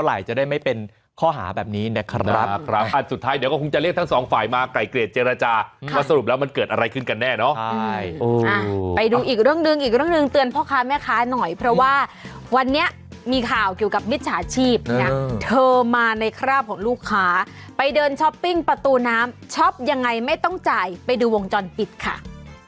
ให้อยากให้เป็นอุทาหรณ์ให้คุยกันสักนิดนึงว่ามันราคาเท่าไหร่จะได้ไม่เป็นข้อหาแบบนี้แ